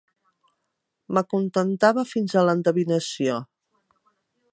M'acontentava fins a l'endevinació.